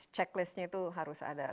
checklistnya itu harus ada